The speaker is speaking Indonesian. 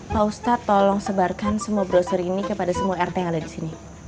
pak ustadz tolong sebarkan semua brosur ini kepada semua rt yang ada disini